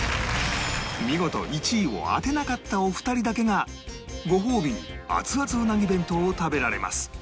見事１位を当てなかったお二人だけがごほうびに熱々うなぎ弁当を食べられます